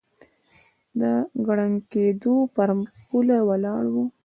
د ړنګېدو پر پوله ولاړ و